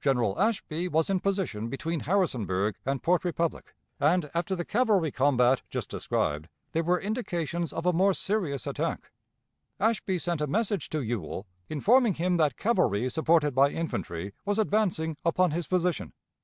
General Ashby was in position between Harrisonburg and Port Republic, and, after the cavalry combat just described, there were indications of a more serious attack. Ashby sent a message to Ewell, informing him that cavalry supported by infantry was advancing upon his position.